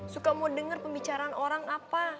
suka mau dengar pembicaraan orang apa